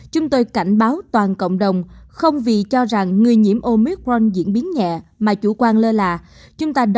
chúng tôi cảnh báo toàn cộng đồng không vì cho rằng người nhiễm omic ron diễn biến nhẹ mà chủ quan lơ là